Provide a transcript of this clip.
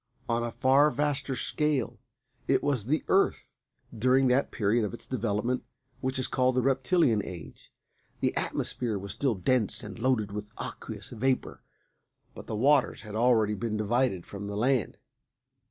On a far vaster scale, it was the Earth during that period of its development which is called the Reptilian Age. The atmosphere was still dense and loaded with aqueous vapour, but the waters had already been divided from the land.